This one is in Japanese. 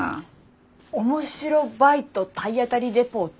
面白バイト体当たりレポート？